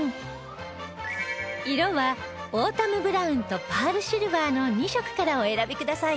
色はオータムブラウンとパールシルバーの２色からお選びください